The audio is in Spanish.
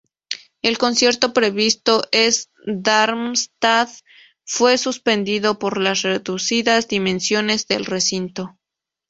El concierto previsto en Darmstadt fue suspendido por las reducidas dimensiones del recinto